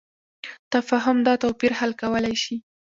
تفاهم دا توپیر حل کولی شي.